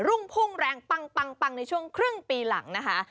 ่งพุ่งแรงปังในช่วงครึ่งปีหลังนะคะ